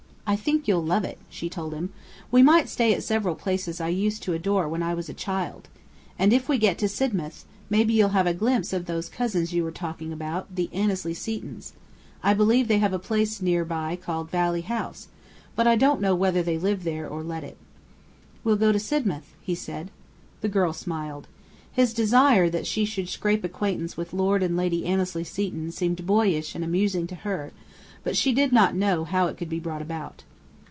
"I think you'll love it," she told him. "We might stay at several places I used to adore when I was a child. And if we get to Sidmouth, maybe you'll have a glimpse of those cousins you were talking about, the Annesley Setons. I believe they have a place near by called Valley House; but I don't know whether they live there or let it." "We'll go to Sidmouth," he said. The girl smiled. His desire that she should scrape acquaintance with Lord and Lady Annesley Seton seemed boyish and amusing to her, but she did not see how it could be brought about.